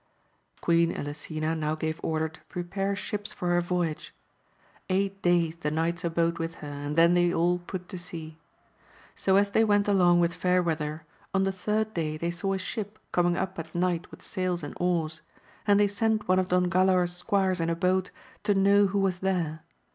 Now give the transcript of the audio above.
Queen Elisena now gave order to prepare ships for her voyage ; eight days the knights abode with her, and then they all put to sea. So as they went along with fair weather, on the third day they saw a ship coming up at night with sails and oars ; and they sent one of Don Galaor's squires in a boat to know who was there.